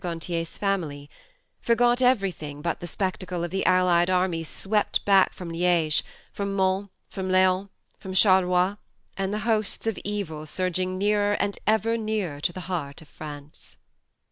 Gantier's family, forgot everything but the spectacle of the Allied armies swept back from Liege, from Mons, from Laon, from Charleroi, and the hosts of evil surging nearer and ever nearer to the heart of France.